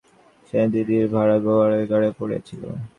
শশী জানে, খুব অল্পবয়সে সেনদিদির ভার গোপালের ঘাড়ে পড়িয়াছিল।